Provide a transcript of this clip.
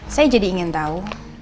saya jadi ingin tahu